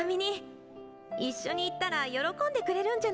一緒に行ったら喜んでくれるんじゃないかな。